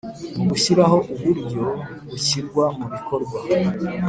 mu gushyiraho uburyo byashyirwa mu bikorwa.